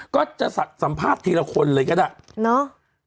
ก็จะสัดสัมภาษณ์ทีละคนเลยก็ได้